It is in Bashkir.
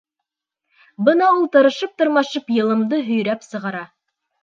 Бына ул тырышып-тырмашып йылымды һөйрәп сығара.